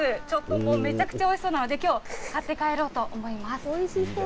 ちょっとめちゃくちゃおいしそうなので、きょう、買って帰ろうと思います。